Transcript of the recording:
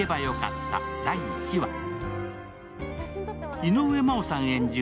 井上真央さん演じる